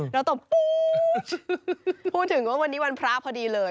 ตบปุ๊บพูดถึงว่าวันนี้วันพระพอดีเลย